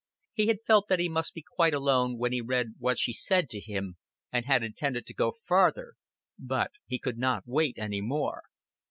He had felt that he must be quite alone when he read what she said to him, and had intended to go farther, but he could not wait any more.